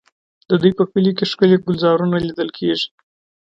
د دوی په کلیو کې ښکلي ګلزارونه لیدل کېږي.